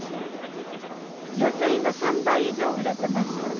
予定の３倍以上売れてますよね。